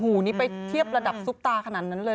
หูนี้ไปเทียบระดับซูบตาขนาดนั้นเลย